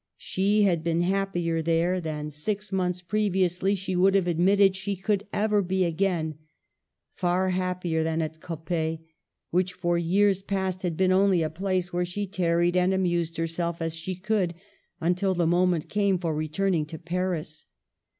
She had been happier there than six Digitized by VjOOQIC 138 MADAME DE STAEL months previously she would have admitted she could ever be again ; far happier than at Coppet, which for years past had only been a place where she tarried and amused herself as she could until the moment came for returning to Paris.